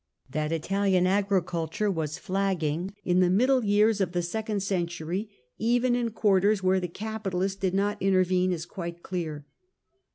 That Italian agriculture was flagging in the middle years of the second century, even in quarters where the capitalist did not intervene, is quite clear.